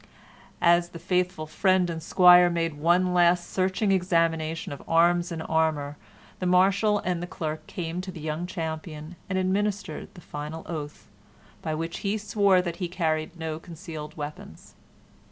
As the faithful friend and squire made one last and searching examination of arms and armor, the Marshal and the clerk came to the young champion and administered the final oath by which he swore that he carried no concealed weapons.